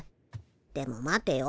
でも待てよ。